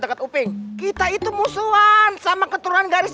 tau gak sih upin itu lucu bikin gemes